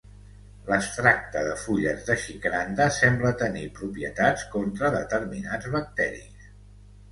L'extracte de fulles de xicranda sembla tenir propietats contra determinats bacteris.